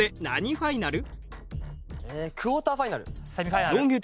セミファイナル。